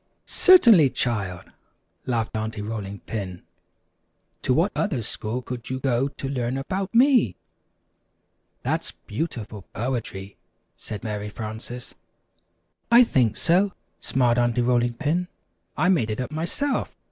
"Certainly, child," laughed Aunty Rolling Pin. "To what other school could you go to learn about me?" "That's beautiful poetry," said Mary Frances. "I think so," smiled Aunty Rolling Pin; "I made it up myself.